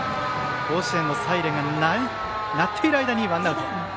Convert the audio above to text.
甲子園のサイレンが鳴っている間にワンアウト。